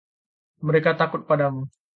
Mereka takut padamu.